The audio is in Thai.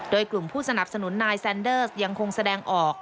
โดยกลุ่มผู้สนับสนุนนายแซนเดอร์สยังคงแสดงออก